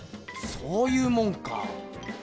そういうもんか。